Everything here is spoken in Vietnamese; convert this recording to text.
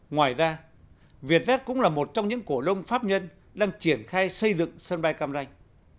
ngoài ra vietjet cũng là một trong những cổ đông pháp nhân đang triển khai xây dựng sân bay cam ranh